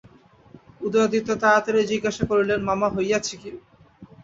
উদয়াদিত্য তাড়াতাড়ি জিজ্ঞাসা করিলেন, মামা, হইয়াছে কী?